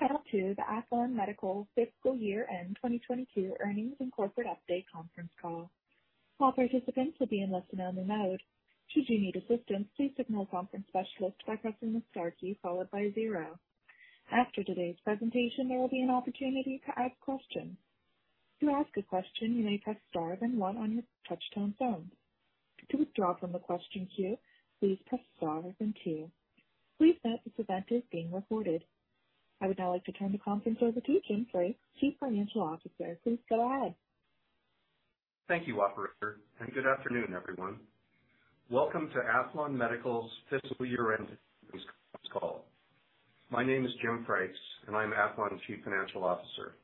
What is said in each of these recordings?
Welcome to the Aethlon Medical Fiscal Year End 2022 earnings and corporate update conference call. All participants will be in listen only mode. Should you need assistance, please signal conference specialist by pressing the star key followed by zero. After today's presentation, there will be an opportunity to ask questions. To ask a question, you may press star then one on your touchtone phone. To withdraw from the question queue, please press star then two. Please note this event is being recorded. I would now like to turn the conference over to Jim Frakes, Chief Financial Officer. Please go ahead. Thank you, operator, good afternoon, everyone. Welcome to Aethlon Medical's fiscal year end earnings call. My name is Jim Frakes, I'm Aethlon's Chief Financial Officer.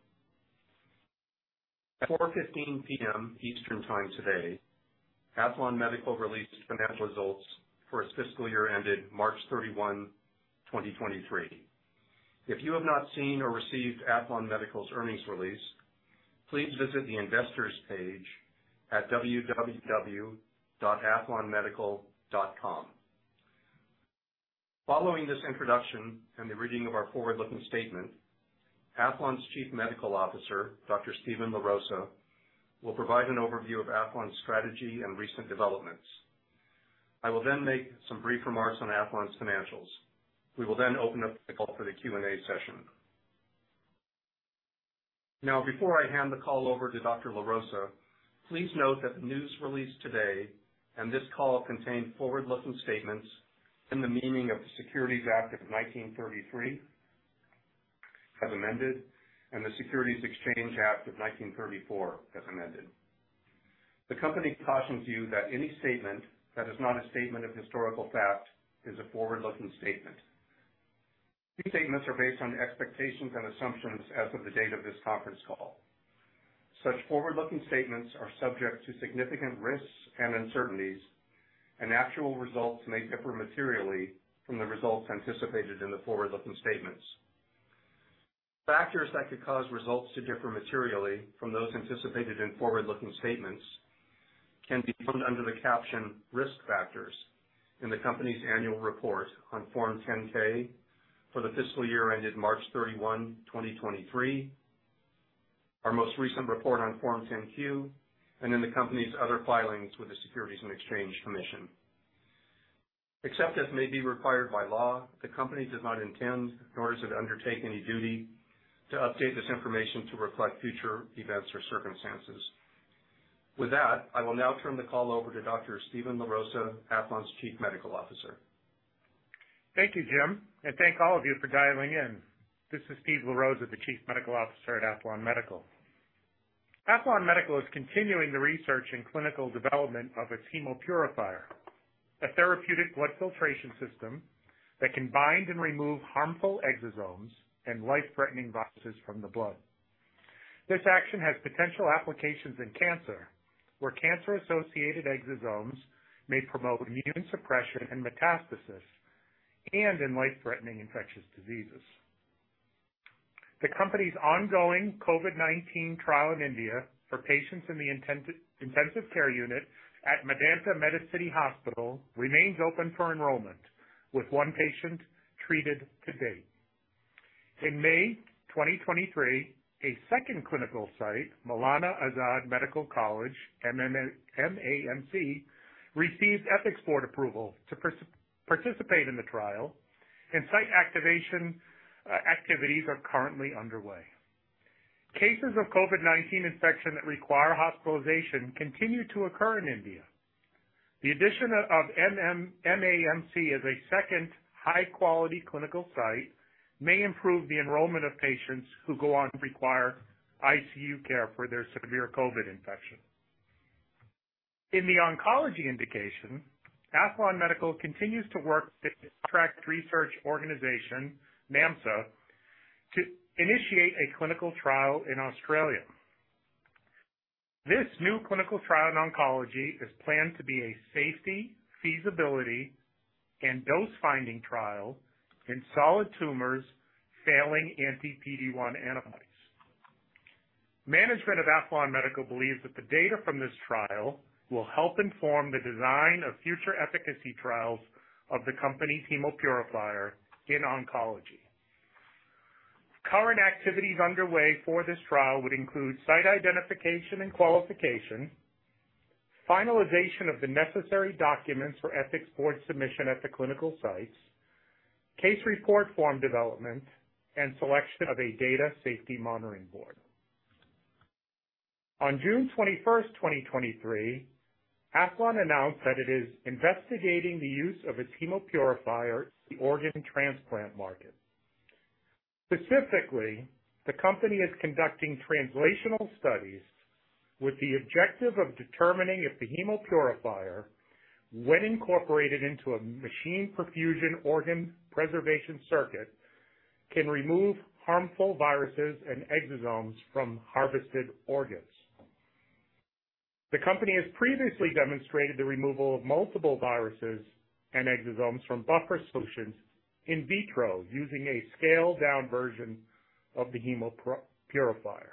At 4:15 P.M. Eastern Time today, Aethlon Medical released financial results for its fiscal year ended March 31, 2023. If you have not seen or received Aethlon Medical's earnings release, please visit the investors page at www.aethlonmedical.com. Following this introduction and the reading of our forward looking statement, Aethlon's Chief Medical Officer, Dr. Steven LaRosa, will provide an overview of Aethlon's strategy and recent developments. I will then make some brief remarks on Aethlon's financials. We will then open up the call for the Q&A session. Before I hand the call over to Dr. LaRosa, please note that the news release today and this call contain forward looking statements in the meaning of the Securities Act of 1933, as amended, and the Securities Exchange Act of 1934, as amended. The company cautions you that any statement that is not a statement of historical fact is a forward looking statement. These statements are based on expectations and assumptions as of the date of this conference call. Such forward looking statements are subject to significant risks and uncertainties, and actual results may differ materially from the results anticipated in the forward-looking statements. Factors that could cause results to differ materially from those anticipated in forward looking statements can be found under the caption Risk Factors in the company's annual report on Form 10-K for the fiscal year ended March 31, 2023, our most recent report on Form 10-Q, and in the company's other filings with the Securities and Exchange Commission. Except as may be required by law, the company does not intend nor does it undertake any duty to update this information to reflect future events or circumstances. With that, I will now turn the call over to Dr. Steven LaRosa, Aethlon's Chief Medical Officer. Thank you, Jim. Thank all of you for dialing in. This is Steven LaRosa, the Chief Medical Officer at Aethlon Medical. Aethlon Medical is continuing the research and clinical development of its Hemopurifier, a therapeutic blood filtration system that can bind and remove harmful exosomes and life-threatening viruses from the blood. This action has potential applications in cancer, where cancer associated exosomes may promote immune suppression and metastasis and in life threatening infectious diseases. The company's ongoing COVID-19 trial in India for patients in the intensive care unit at Medanta Medicity Hospital remains open for enrollment, with one patient treated to date. In May 2023, a second clinical site, Maulana Azad Medical College, MAMC, received ethics board approval to participate in the trial and site activation activities are currently underway. Cases of COVID-19 infection that require hospitalization continue to occur in India. The addition of MAMC as a second high quality clinical site may improve the enrollment of patients who go on to require ICU care for their severe COVID infection. In the oncology indication, Aethlon Medical continues to work with the contract research organization, NAMSA, to initiate a clinical trial in Australia. This new clinical trial in oncology is planned to be a safety, feasibility, and dose finding trial in solid tumors failing anti-PD-1 antibodies. Management of Aethlon Medical believes that the data from this trial will help inform the design of future efficacy trials of the company's Hemopurifier in oncology. Current activities underway for this trial would include site identification and qualification, finalization of the necessary documents for ethics board submission at the clinical sites, case report form development, and selection of a data safety monitoring board. On June 21st, 2023, Aethlon announced that it is investigating the use of its Hemopurifier in the organ transplant market. Specifically, the company is conducting translational studies with the objective of determining if the Hemopurifier, when incorporated into a machine perfusion organ preservation circuit, can remove harmful viruses and exosomes from harvested organs. The company has previously demonstrated the removal of multiple viruses and exosomes from buffer solutions in vitro, using a scaled down version of the Hemopurifier.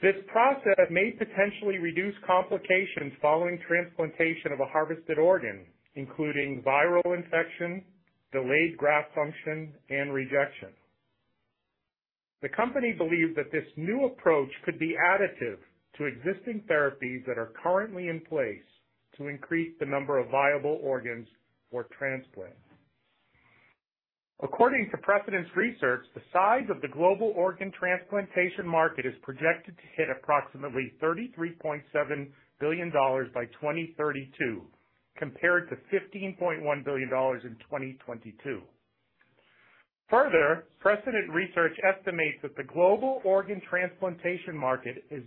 This process may potentially reduce complications following transplantation of a harvested organ, including viral infection, delayed graft function, and rejection. The company believed that this new approach could be additive to existing therapies that are currently in place to increase the number of viable organs for transplant. According to Precedence Research, the size of the global organ transplantation market is projected to hit approximately $33.7 billion by 2032, compared to $15.1 billion in 2022. Precedence Research estimates that the global organ transplantation market is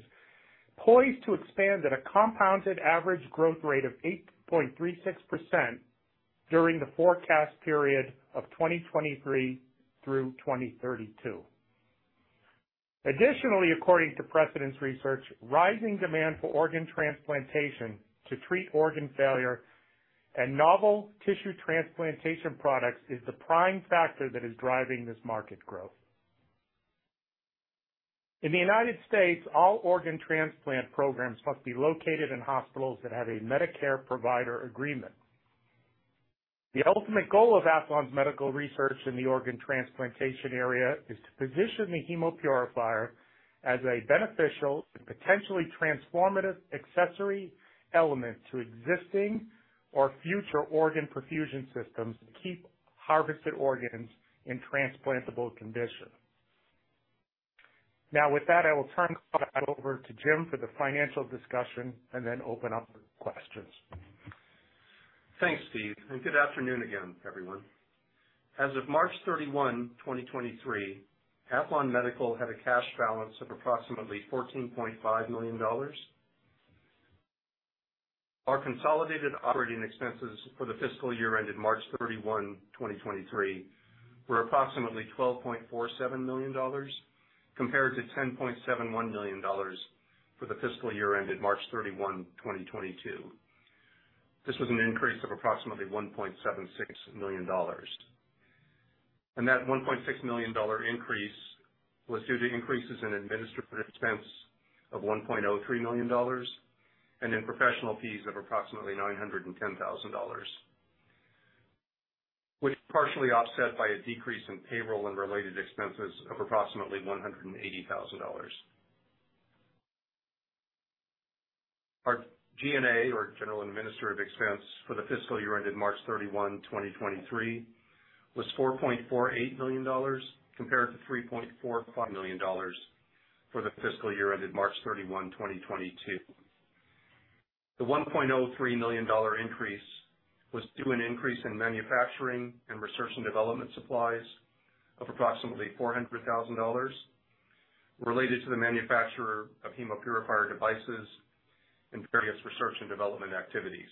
poised to expand at a compounded average growth rate of 8.36% during the forecast period of 2023 through 2032. According to Precedence Research, rising demand for organ transplantation to treat organ failure and novel tissue transplantation products is the prime factor that is driving this market growth. In the United States, all organ transplant programs must be located in hospitals that have a Medicare provider agreement. The ultimate goal of Aethlon's medical research in the organ transplantation area is to position the Hemopurifier as a beneficial and potentially transformative accessory element to existing or future organ perfusion systems to keep harvested organs in transplantable condition. With that, I will turn it over to Jim for the financial discussion, and then open up for questions. Thanks, Steve. Good afternoon again, everyone. As of March 31, 2023, Aethlon Medical had a cash balance of approximately $14.5 million. Our consolidated operating expenses for the fiscal year ended March 31, 2023, were approximately $12.47 million, compared to $10.71 million for the fiscal year ended March 31, 2022. This was an increase of approximately $1.76 million. That $1.6 million increase was due to increases in administrative expense of $1.03 million and in professional fees of approximately $910,000, which was partially offset by a decrease in payroll and related expenses of approximately $180,000. Our G&A, or general and administrative expense, for the fiscal year ended March 31, 2023, was $4.48 million, compared to $3.45 million for the fiscal year ended March 31, 2022. The $1.03 million increase was due to an increase in manufacturing and research and development supplies of approximately $400,000 related to the manufacturer of Hemopurifier devices and various research and development activities.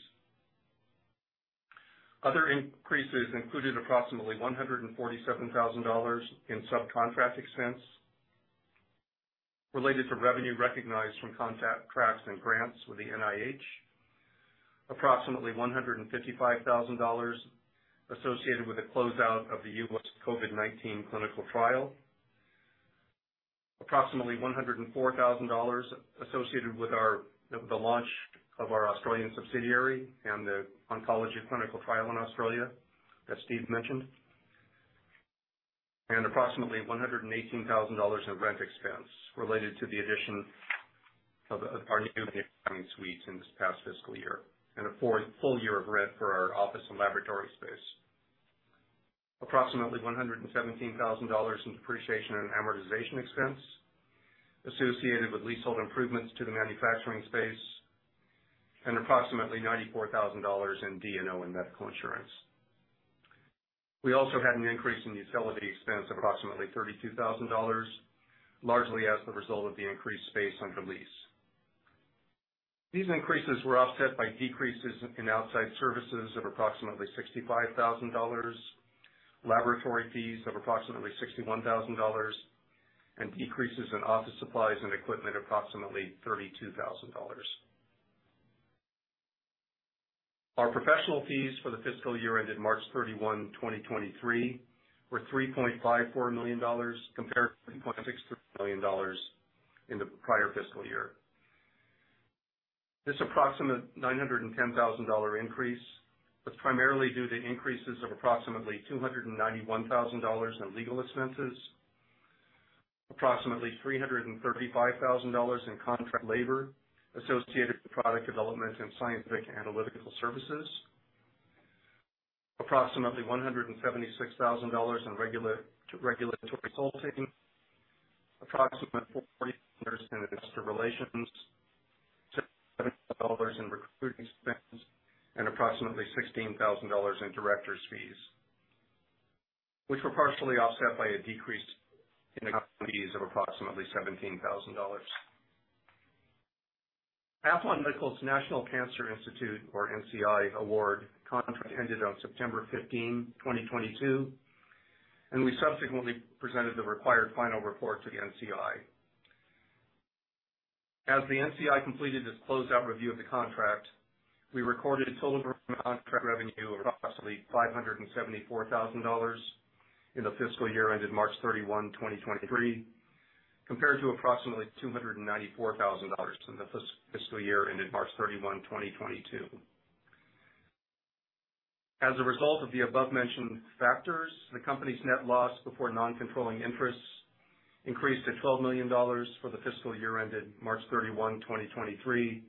Other increases included approximately $147,000 in subcontract expense related to revenue recognized from contracts and grants with the NIH. Approximately $155,000 associated with the closeout of the U.S. COVID-19 clinical trial. Approximately $104,000 associated with the launch of our Australian subsidiary and the oncology clinical trial in Australia, as Steve mentioned. Approximately $118,000 in rent expense related to the addition of our new suites in this past fiscal year, and a full year of rent for our office and laboratory space. Approximately $117,000 in depreciation and amortization expense associated with leasehold improvements to the manufacturing space, and approximately $94,000 in D&O and medical insurance. We also had an increase in utility expense of approximately $32,000, largely as the result of the increased space under lease. These increases were offset by decreases in outside services of approximately $65,000, laboratory fees of approximately $61,000, and decreases in office supplies and equipment, approximately $32,000. Our professional fees for the fiscal year ended March 31, 2023, were $3.54 million, compared to $3.63 million in the prior fiscal year. This approximate $910,000 increase was primarily due to increases of approximately $291,000 in legal expenses, approximately $335,000 in contract labor associated with product development and scientific analytical services, approximately $176,000 in regulatory consulting, approximately $40,000 in investor relations, $7,000 in recruiting expenses, and approximately $16,000 in directors' fees, which were partially offset by a decrease in account fees of approximately $17,000. Aethlon Medical's National Cancer Institute, or NCI, Award contract ended on September 15, 2022, and we subsequently presented the required final report to the NCI. As the NCI completed its closed out review of the contract, we recorded total contract revenue of approximately $574,000 in the fiscal year ended March 31, 2023, compared to approximately $294,000 in the fiscal year ended March 31, 2022. As a result of the above mentioned factors, the company's net loss before non-controlling interests increased to $12 million for the fiscal year ended March 31, 2023,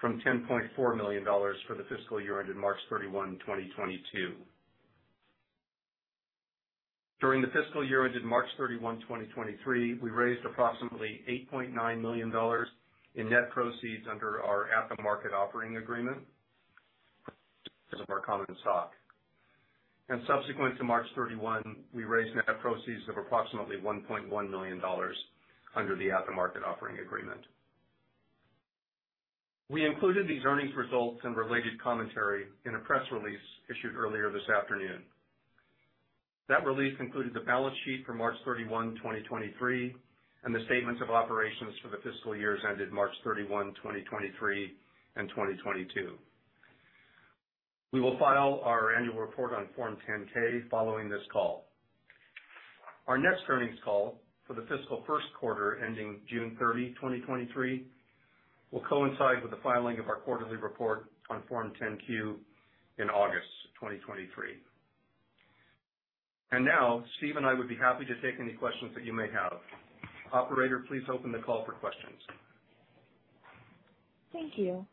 from $10.4 million for the fiscal year ended March 31, 2022. During the fiscal year ended March 31, 2023, we raised approximately $8.9 million in net proceeds under our at-the-market offering agreement of our common stock. Subsequent to March 31, we raised net proceeds of approximately $1.1 million under the at-the-market offering agreement. We included these earnings results and related commentary in a press release issued earlier this afternoon. That release included the balance sheet for March 31, 2023, and the statements of operations for the fiscal years ended March 31, 2023, and 2022. We will file our annual report on Form 10-K following this call. Our next earnings call for the fiscal first quarter, ending June 30, 2023, will coincide with the filing of our quarterly report on Form 10-Q in August 2023. Now, Steve and I would be happy to take any questions that you may have. Operator, please open the call for questions. Thank you.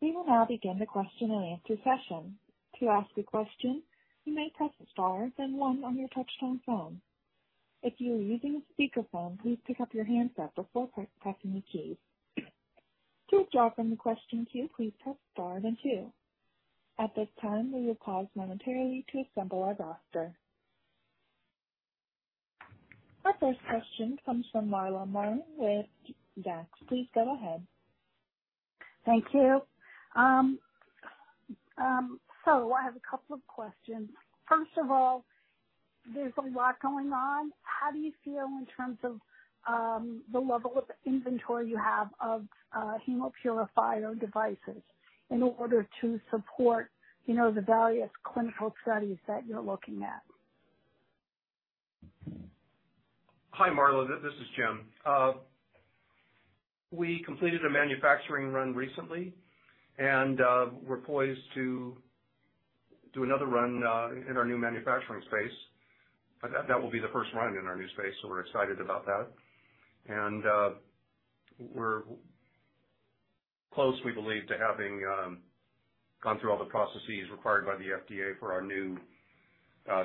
We will now begin the question and answer session. To ask a question, you may press star then one on your touchtone phone. If you are using a speakerphone, please pick up your handset before pressing the key. To withdraw from the question queue, please press star then two. At this time, we will pause momentarily to assemble our roster. Our first question comes from Marla Marin with Zacks. Please go ahead. Thank you. I have a couple of questions. First of all, there's a lot going on. How do you feel in terms of the level of inventory you have of Hemopurifier devices in order to support, you know, the various clinical studies that you're looking at? Hi, Marla, this is Jim. We completed a manufacturing run recently, and we're poised to do another run in our new manufacturing space. That will be the first run in our new space, so we're excited about that. We're close, we believe, to having gone through all the processes required by the FDA for our new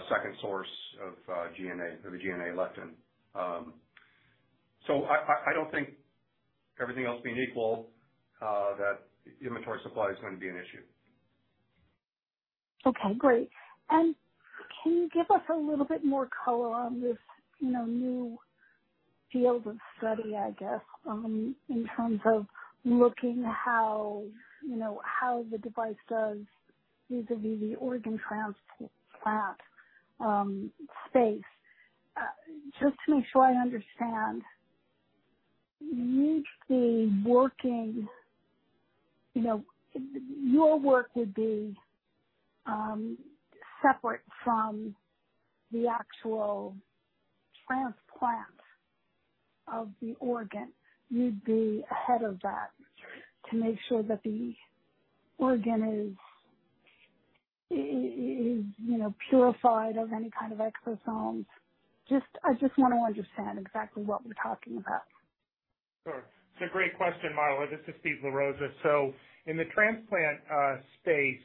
second source of GNA, the GNA lectin. I don't think everything else being equal, that inventory supply is going to be an issue. Okay, great. Can you give us a little bit more color on this, you know, new field of study, I guess, in terms of looking how, you know, how the device does vis-a-vis the organ transplant space? Just to make sure I understand, you know, your work would be separate from the actual transplant of the organ. You'd be ahead of that to make sure that the organ is, you know, purified of any kind of exosomes. Just, I just want to understand exactly what we're talking about. Sure. It's a great question, Marla. This is Steve LaRosa. In the transplant space,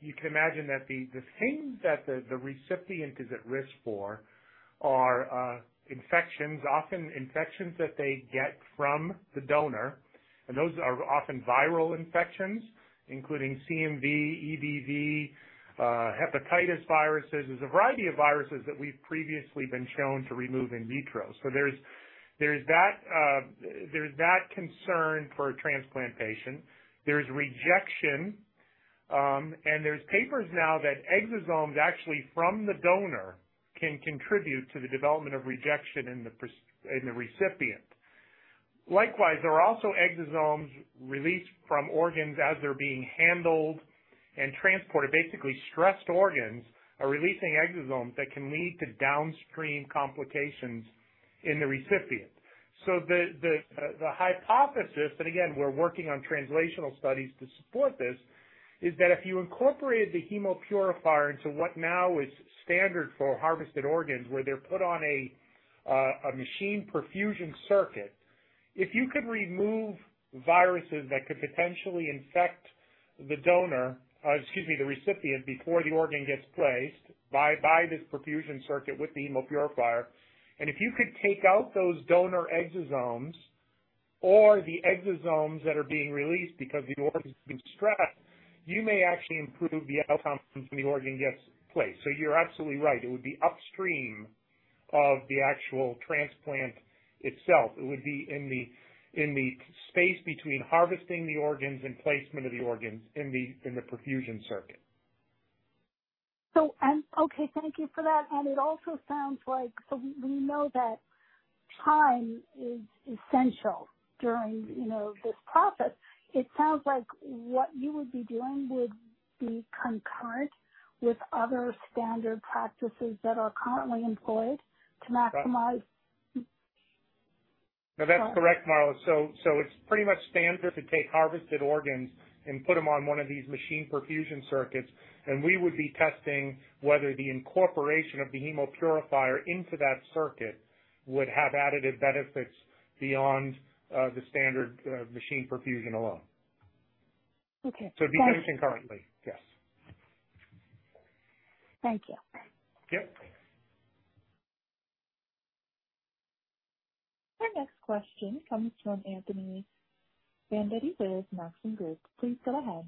you can imagine that the things that the recipient is at risk for are infections, often infections that they get from the donor, and those are often viral infections, including CMV, EBV, hepatitis viruses. There's a variety of viruses that we've previously been shown to remove in vitro. There's that concern for a transplant patient. There's rejection, and there's papers now that exosomes actually from the donor can contribute to the development of rejection in the recipient. Likewise, there are also exosomes released from organs as they're being handled and transported. Basically, stressed organs are releasing exosomes that can lead to downstream complications in the recipient. The hypothesis, and again, we're working on translational studies to support this, is that if you incorporated the Hemopurifier into what now is standard for harvested organs, where they're put on a machine perfusion circuit, if you could remove viruses that could potentially infect the donor, excuse me, the recipient, before the organ gets placed by this perfusion circuit with the Hemopurifier, and if you could take out those donor exosomes or the exosomes that are being released because the organ's been stressed, you may actually improve the outcomes when the organ gets placed. You're absolutely right, it would be upstream of the actual transplant itself. It would be in the space between harvesting the organs and placement of the organs in the perfusion circuit. Okay, thank you for that. It also sounds like we know that time is essential during, you know, this process. It sounds like what you would be doing would be concurrent with other standard practices that are currently employed to maximize. No, that's correct, Marla Marin. It's pretty much standard to take harvested organs and put them on one of these machine perfusion circuits, and we would be testing whether the incorporation of the Hemopurifier into that circuit would have additive benefits beyond the standard machine perfusion alone. Okay. It'd be used concurrently. Yes. Thank you. Yep. Our next question comes from Anthony Vendetti with Maxim Group. Please go ahead.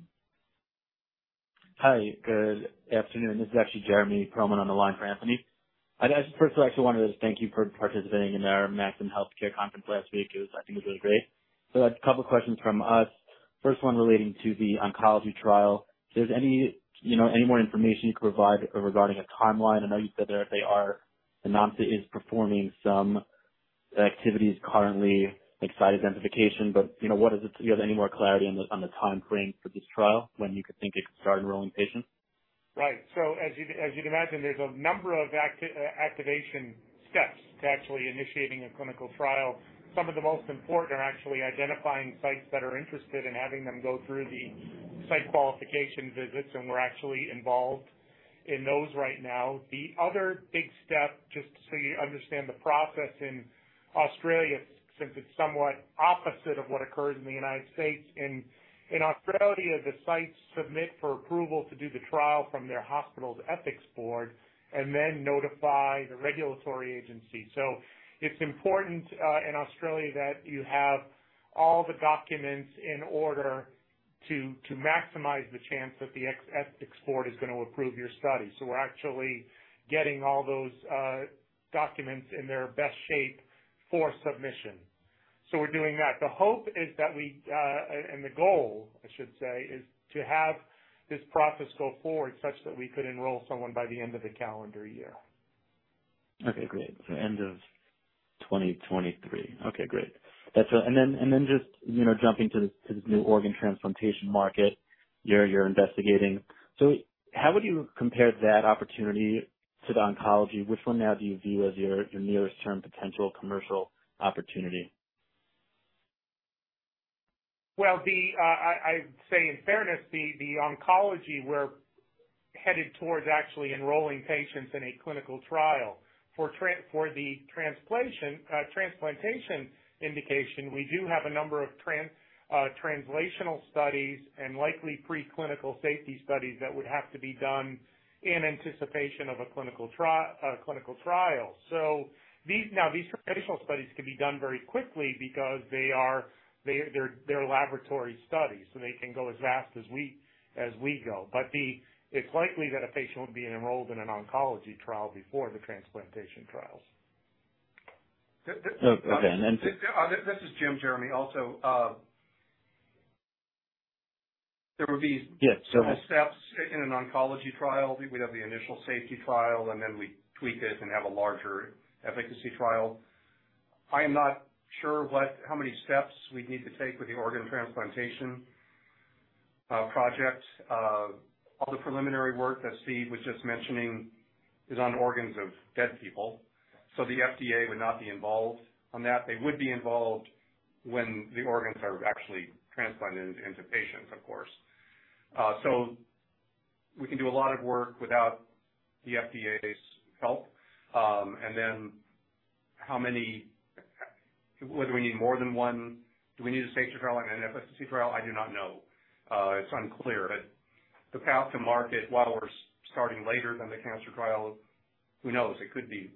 Hi, good afternoon. This is actually Jeremy Pearlman on the line for Anthony. I'd actually, first of all, I actually wanted to thank you for participating in our Maxim Healthcare Conference last week. It was, I think it was great. I have a couple questions from us. First one relating to the oncology trial. you know, any more information you can provide regarding a timeline? I know you said that NAMSA is performing some activities currently, like, site identification, but, you know, Do you have any more clarity on the timeframe for this trial, when you could think it could start enrolling patients? Right. As you'd imagine, there's a number of activation steps to actually initiating a clinical trial. Some of the most important are actually identifying sites that are interested in having them go through the site qualification visits, and we're actually involved in those right now. The other big step, just so you understand the process in Australia, since it's somewhat opposite of what occurs in the United States, in Australia, the sites submit for approval to do the trial from their hospital's ethics board and then notify the regulatory agency. It's important in Australia that you have all the documents in order to maximize the chance that the ethics board is gonna approve your study. We're actually getting all those documents in their best shape for submission. We're doing that. The hope is that we, and the goal, I should say, is to have this process go forward such that we could enroll someone by the end of the calendar year. Okay, great. End of 2023. Then just, you know, jumping to the, to the new organ transplantation market you're investigating. How would you compare that opportunity to the oncology? Which one now do you view as your nearest term potential commercial opportunity? Well, I'd say in fairness, the oncology we're headed towards actually enrolling patients in a clinical trial. For the translation, transplantation indication, we do have a number of translational studies and likely preclinical safety studies that would have to be done in anticipation of a clinical trial. These, now, these translational studies can be done very quickly because they are, they're laboratory studies, so they can go as fast as we go. It's likely that a patient will be enrolled in an oncology trial before the transplantation trials. Okay, and then- This is Jim, Jeremy, also. Yeah. steps taken in oncology trial. We'd have the initial safety trial, then we'd tweak it and have a larger efficacy trial. I am not sure what, how many steps we'd need to take with the organ transplantation project. All the preliminary work that Steve was just mentioning is on organs of dead people, the FDA would not be involved on that. They would be involved when the organs are actually transplanted into patients, of course. We can do a lot of work without the FDA's help. How many, whether we need more than one, do we need a safety trial and an efficacy trial? I do not know. It's unclear, the path to market, while we're starting later than the cancer trial, who knows? It could be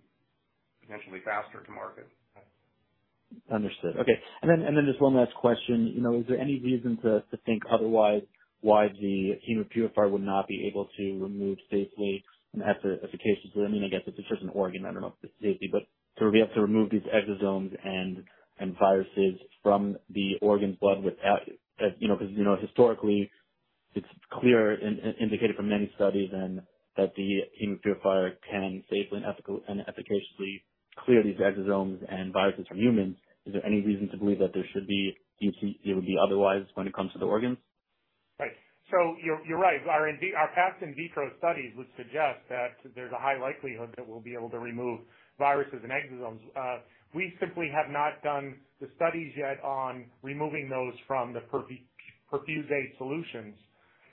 potentially faster to market. Understood. Okay. Then just one last question. You know, is there any reason to think otherwise, why the Hemopurifier would not be able to remove safely and efficaciously, I mean, I guess it's a different organ, I don't know if it's safety, but so we have to remove these exosomes and viruses from the organ's blood without, you know, 'cause, you know, historically, it's clear and indicated from many studies and that the Hemopurifier can safely and efficaciously clear these exosomes and viruses from humans. Is there any reason to believe that there should be, it would be otherwise when it comes to the organs? Right. You're right. Our past in vitro studies would suggest that there's a high likelihood that we'll be able to remove viruses and exosomes. We simply have not done the studies yet on removing those from the perfusate solutions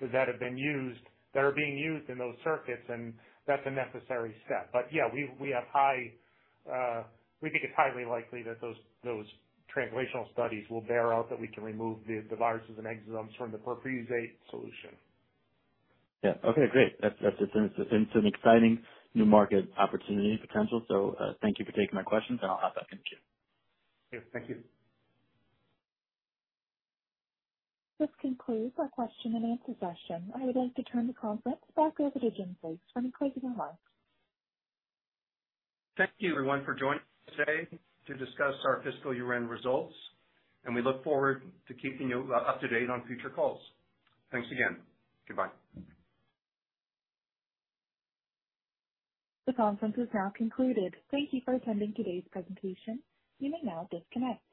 that have been used, that are being used in those circuits. That's a necessary step. Yeah, we have high, we think it's highly likely that those translational studies will bear out that we can remove the viruses and exosomes from the perfusate solution. Yeah. Okay, great. That's an exciting new market opportunity potential. Thank you for taking my questions, and I'll pass back to you. Yeah. Thank you. This concludes our question and answer session. I would like to turn the conference back over to Jim Frakes for any closing remarks. Thank you everyone for joining us today to discuss our fiscal year-end results. We look forward to keeping you up to date on future calls. Thanks again. Goodbye. The conference is now concluded. Thank you for attending today's presentation. You may now disconnect.